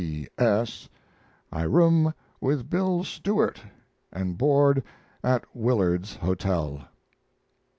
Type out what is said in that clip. P.S. I room with Bill Stewart and board at Willard's Hotel.